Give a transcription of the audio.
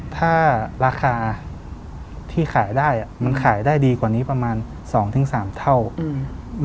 ถ้าราคาที่ขายได้อ่ะมันขายได้ดีกว่านี้ประมาณสองถึงสามเท่าอืม